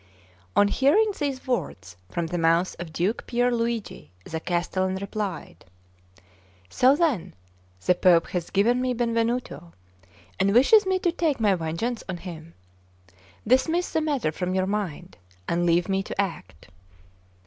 On hearing these words from the mouth of Duke Pier Luigi, the castellan replied: "So, then, the Pope has given me Benvenuto, and wishes me to take my vengeance on him? Dismiss the matter from your mind, and leave me to act."